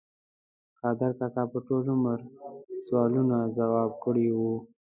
قادر کاکا په ټول عمر سوالونه ځواب کړي وو.